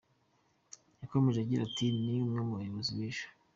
Yakomeje agira ati “Ni mwe bayobozi b’ejo.